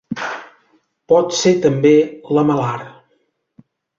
Pot ser també lamel·lar.